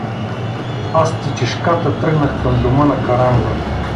Аз тичешката тръгнах към дома на Каранова.